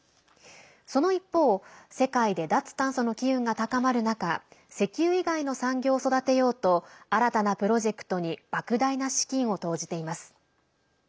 その一方、世界で脱炭素の機運が高まる中石油以外の産業を育てようと新たなプロジェクトにばく大な資金を投じています。